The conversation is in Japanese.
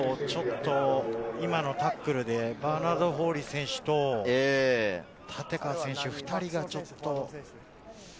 今のタックルで、バーナード・フォーリー選手と立川選手の２人がちょっと。